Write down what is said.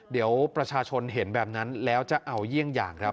เดี๋ยวประชาชนเห็นแบบนั้นแล้วจะเอาเยี่ยงอย่างครับ